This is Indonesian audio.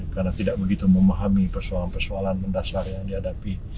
karena tidak begitu memahami persoalan persoalan mendasar yang dihadapi